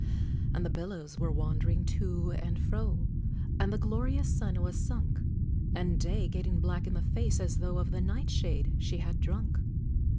And the billows were wandering to and fro, And the glorious sun was sunk, And Day, getting black in the face, as though Of the nightshade she had drunk!